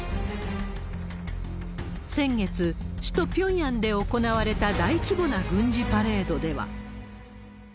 先月、首都ピョンヤンで行われた大規模な軍事パレードでは。